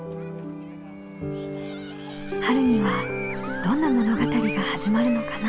春にはどんな物語が始まるのかな。